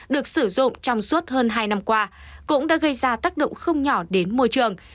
được sử dụng trong suốt hơn hai năm qua cũng đã gây ra tác động không nhỏ đến môi trường